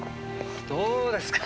どうですか。